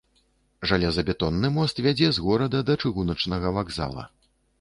Жалезабетонны мост вядзе з горада да чыгуначнага вакзала.